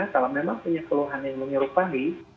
kalau memang punya keluhan yang menyerupani